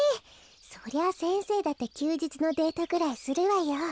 そりゃ先生だってきゅうじつのデートぐらいするわよ。